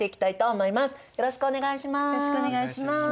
よろしくお願いします。